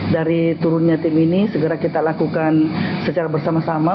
dari turunnya tim ini segera kita lakukan secara bersama sama